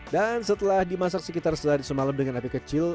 dan setelah dimasak sekitar setelah disemalam dengan api kecil